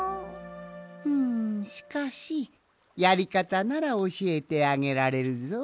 うんしかしやりかたならおしえてあげられるぞい。